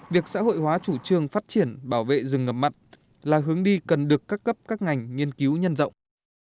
việc xã hội hóa chủ trương phát triển bảo vệ rừng ngập mặn là hướng đi cần được các cấp các ngành nghiên cứu nhân rộng